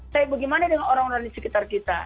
tapi bagaimana dengan orang orang di sekitar kita